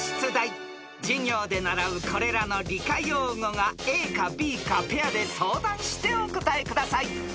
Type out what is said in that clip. ［授業で習うこれらの理科用語がＡかＢかペアで相談してお答えください］